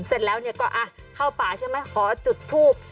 เสร็จแล้วก็เข้าป่าใช่ไหมขอจุดทูบ